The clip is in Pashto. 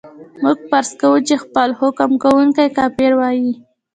موږ فرض کوو چې خپله حکم کوونکی کافر وای.